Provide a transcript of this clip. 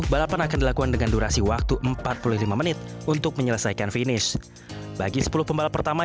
balapan akan dilakukan dengan durasi waktu empat puluh lima menit untuk menyelesaikan finish bagi sepuluh pembalap pertama